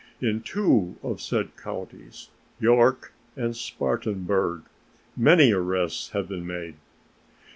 In two of said counties, York and Spartanburg, many arrests have been made.